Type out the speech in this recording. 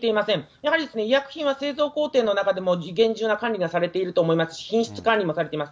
やはり医薬品は製造工程の中でも厳重な管理がされていると思いますし、品質管理もされています。